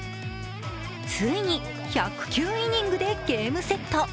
ついに１０９イニングでゲームセット。